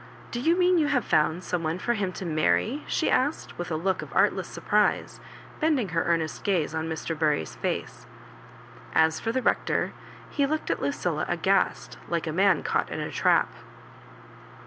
"Do you mean you have found some one for him to marry ?" she asked, with a look of artless surprise, bending her earnest gaze on Mr. Bury's face. As for the Rector, he looked at Lucilla aghast like a man caught in a trap.